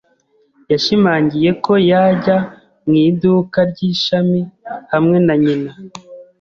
Yashimangiye ko yajya mu iduka ry’ishami hamwe na nyina.